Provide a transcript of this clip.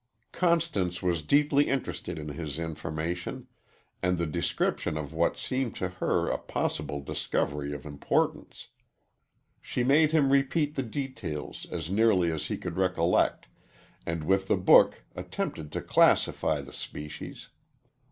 Constance was deeply interested in his information, and the description of what seemed to her a possible discovery of importance. She made him repeat the details as nearly as he could recollect, and with the book attempted to classify the species.